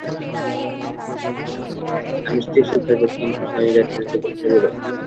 আমি স্ত্রীশিক্ষার পক্ষে, কিন্তু উনি স্বামী-জাতির এডুকেশনের বিরোধী।